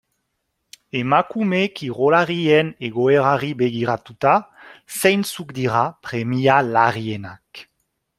Emakume kirolarien egoerari begiratuta, zeintzuk dira premia larrienak?